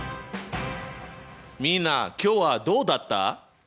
みんな今日はどうだった？